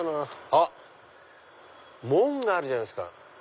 あっ門があるじゃないですか。